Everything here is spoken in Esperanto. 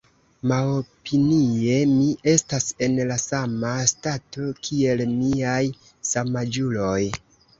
Miaopinie, mi estas en la sama stato kiel miaj samaĝuloj.